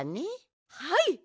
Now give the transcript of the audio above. はい。